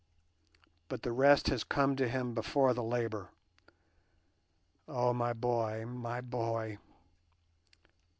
But the rest has come to him before the labour. Oh, my boy, my boy!